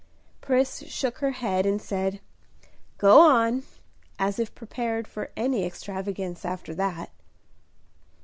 Pris shook her head, and said, "Go on!" as if prepared for any extravagance after that.